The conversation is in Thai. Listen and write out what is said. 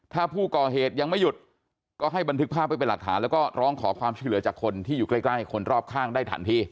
ถ้าผู้ก่อเหตุยังไม่หยุดก็ให้บันทึกภาพไว้เป็นหลักฐานแล้วก็ร้องขอความช่วยเหลือจากคนที่อยู่ใกล้คนรอบข้างได้ทันที